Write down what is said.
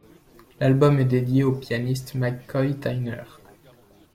L'album est dédié au pianiste McCoy Tyner.